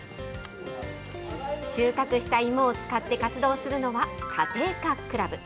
収穫した芋を使って活動するのは、家庭科クラブ。